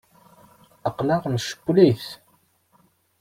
Aql-aɣ ncewwel-it.